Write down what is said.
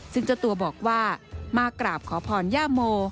ซึ่งเจ้าตัวบอกว่ามากราบขอพรย่าโม